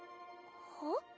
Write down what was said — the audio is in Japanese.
はっ？